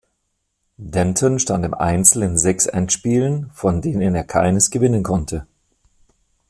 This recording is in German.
Denton stand im Einzel in sechs Endspielen, von denen er keines gewinnen konnte.